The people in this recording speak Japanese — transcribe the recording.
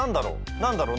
何だろう？